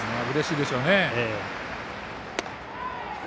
うれしいでしょうね。